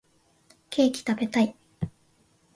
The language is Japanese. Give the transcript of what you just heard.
ケーキ食べたい